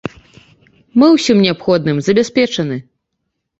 Мы ўсім неабходным забяспечаны.